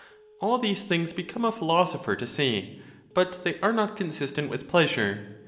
All these things become a philosopher to say, but they are not con sistent with pleasure.